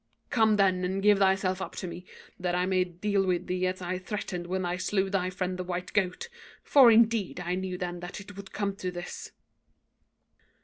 Come, then, and give thyself up to me, that I may deal with thee as I threatened when I slew thy friend the white goat; for, indeed, I knew then that it would come to this.'